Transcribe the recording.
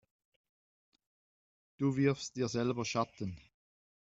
Du wirfst dir selber Schatten.